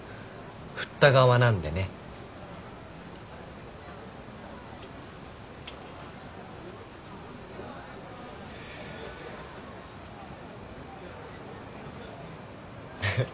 振った側なんでね。えっ？